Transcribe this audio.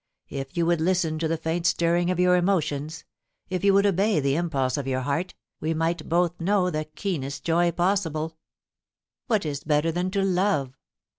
* If you would listen to the faint stirring of your emotions— if you would obey the impulse of your heart, we might both know the keenest joy possible. ... What is better than to love